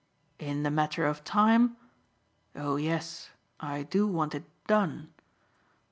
"In the matter of time? Oh yes, I do want it DONE.